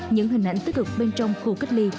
những hình ảnh tích cực bên trong khu cách ly